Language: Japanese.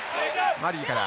マリーから。